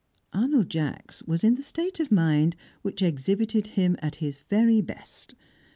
Arnold Jacks was in the state of mind which exhibited him at his very best.